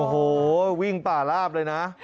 โอ้โหวิ่งป่าลาบเลยนะ